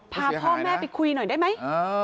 พาพ่อแม่ไปคุยหน่อยได้ไหม